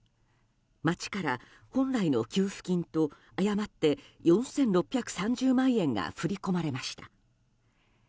町から本来の給付金と、誤って４６３０万円が振り込まれました。